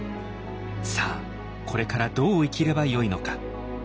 さあこれからどう生きればよいのか。